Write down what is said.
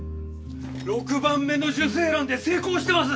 ６番目の受精卵で成功してます！